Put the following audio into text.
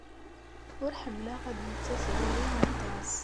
Ur ḥemmleɣ ad d-yettas ɣer-i aṭas.